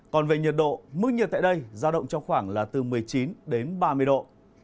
còn về nhiệt độ mức nhiệt tại đây giao động trong khoảng là từ một mươi chín đến ba mươi độ